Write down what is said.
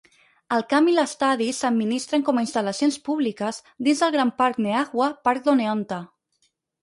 El camp i l'estadi s'administren com a instal·lacions públiques dins del gran parc Neahwa Park d'Oneonta.